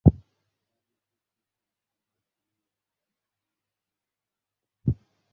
আমি তো শুধুই একটা মোহ, এই একঘেয়ে সমুদ্রযাত্রার বিনোদন।